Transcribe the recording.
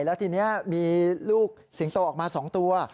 แล้วทีนี้มีลูกสิงโตออกมา๒ตัว